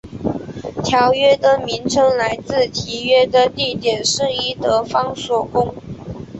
条约的名称来自缔约的地点圣伊德方索宫。